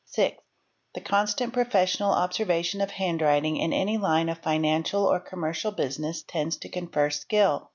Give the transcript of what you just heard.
;|| Sixth. The constant professional observation of handwriting in any line of financial or commercial business tends to confer skill.